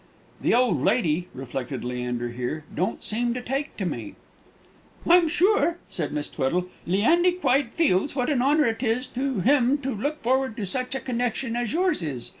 "The old lady," reflected Leander here, "don't seem to take to me!" "I'm sure," said Miss Tweddle, "Leandy quite feels what an honour it is to him to look forward to such a connection as yours is.